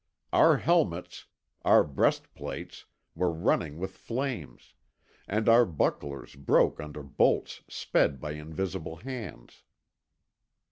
Our helmets, our breast plates were running with flames, and our bucklers broke under bolts sped by invisible hands.